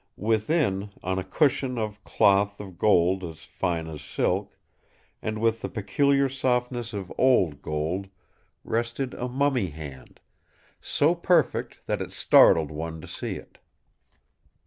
Within, on a cushion of cloth of gold as fine as silk, and with the peculiar softness of old gold, rested a mummy hand, so perfect that it startled one to see it.